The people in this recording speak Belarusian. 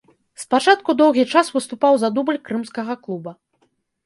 Спачатку доўгі час выступаў за дубль крымскага клуба.